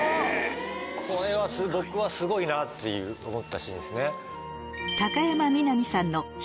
これは僕はすごいなって思ったシーンですね。